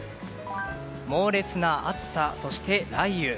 猛烈な暑さ、そして雷雨。